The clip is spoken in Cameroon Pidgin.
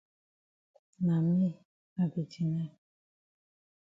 Na me I be deny.